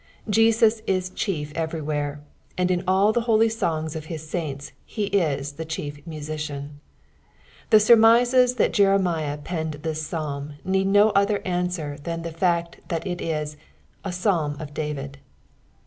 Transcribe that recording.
Jeaus is chi^ everywhere, and inalithe holy songs of hia salnU he is the chi^ mimician. Tke surmises thai •Jeremiah penned this Psalm need no other ansiaer than the fad thai it is " a Paaitn rf David."